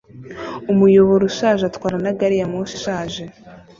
Umuyobora ushaje atwara na gari ya moshi ishaje